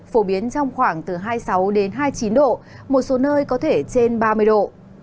phổ biến trong khoảng từ hai mươi sáu đến hai mươi chín độ một số nơi có thể trên ba mươi độ